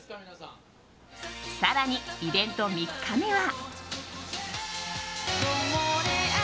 更にイベント３日目は。